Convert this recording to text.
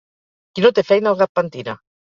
Qui no té feina el gat pentina